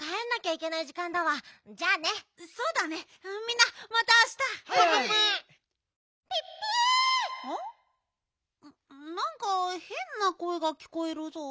なんかへんなこえがきこえるぞ。